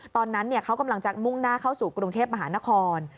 ตอนนั้นเขากำลังจะมุ่งหน้าเข้าสู่กรุงเทพมหานคร